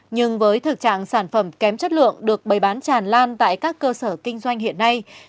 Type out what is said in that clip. nhưng với thực trạng sản phẩm kém chất lượng được bày bán tràn lan tại các cơ sở kinh doanh hiện nay